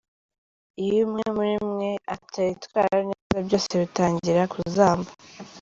Iyo umwe muri mwe atitwara neza, byose bitangira kuzamba.